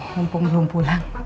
mumpung belum pulang